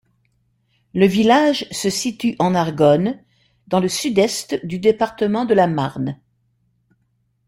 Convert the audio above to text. Le village se situe en Argonne, dans le sud-est du département de la Marne.